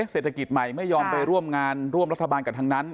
เศรษฐกิจใหม่ไม่ยอมไปร่วมงานร่วมรัฐบาลกับทางนั้น